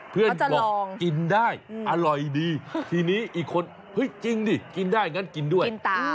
บอกกินได้อร่อยดีทีนี้อีกคนเฮ้ยจริงดิกินได้งั้นกินด้วย